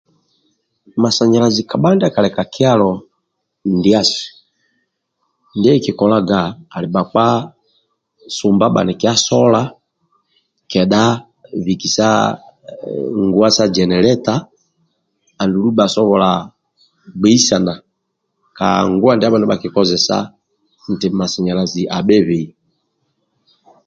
Masanyalazi kabha ndiakali ka kyalo ndiasu ndie kikikolaga ali bhakpa sumba banikia sola kedha bhikisa nguwa sa geneleta andulu basobola gbeisana ka nguwa ndiabho ndia bhakakozesai nti masanyalazi abhebei